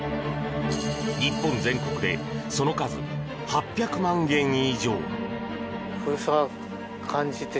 日本全国でその数８００万軒以上！